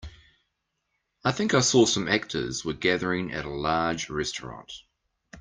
I think I saw some actors were gathering at a large restaurant.